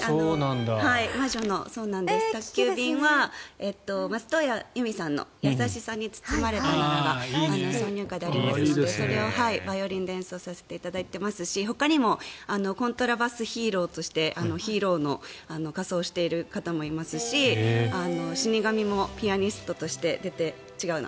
「魔女の宅急便」は松任谷由実さんの「やさしさに包まれたなら」が挿入歌でありますのでそれをバイオリンで演奏させていただいてますしほかにもコントラバスヒーローとしてヒーローの仮装をしている方もいますし死に神もピアニストとして違うな。